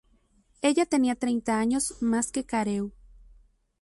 Ella tenía treinta años más que Carew.